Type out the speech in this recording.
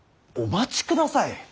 お待ちください。